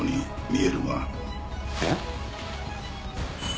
えっ？